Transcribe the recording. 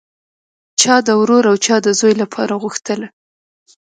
چا د ورور او چا د زوی لپاره غوښتله